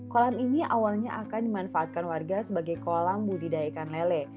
kolam ini awalnya akan dimanfaatkan warga sebagai kolam budidaya ikan lele